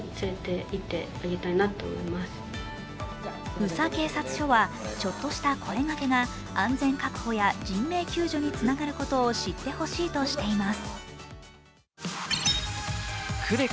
宇佐警察署はちょっとした声がけが安全確保や人命救助につながることを知ってほしいとしています。